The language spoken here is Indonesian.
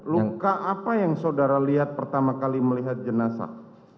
luka apa yang saudara lihat pertama kali melihat jenazah